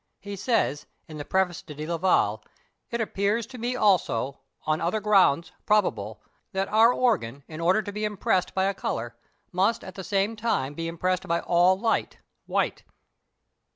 He says, in the preface to Delaval, "It appears to me also, on other grounds, probable, that our organ, in order to be impressed by a colour, must at the same time be impressed by all light (white)."